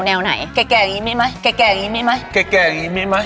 แก่อย่างนี้มีไหม